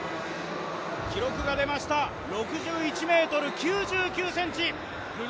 記録が出ました、６１ｍ９９ｃｍ！